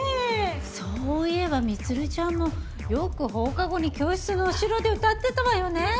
そういえば充ちゃんもよく放課後に教室の後ろで歌ってたわよねぇ。